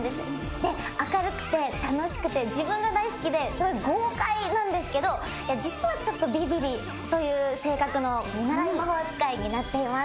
で明るくて楽しくて自分が大好きですごい豪快なんですけど実はちょっとビビりという性格の見習い魔法使いになっています。